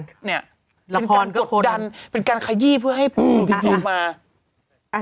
นี่เป็นการกดดันเป็นการขยี้เพื่อให้ปุ่มออกมา